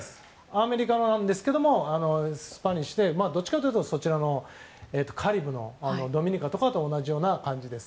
アメリカなんですけどもスパニッシュでどっちかというとカリブのドミニカとかと同じ感じです。